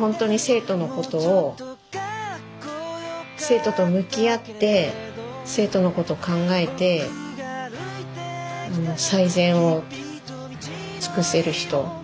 本当に生徒のことを生徒と向き合って生徒のこと考えて最善を尽くせる人。